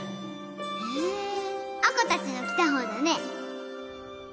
へぇ亜子たちの来た方だね